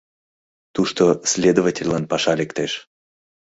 Тушто следовательлан паша лектеш!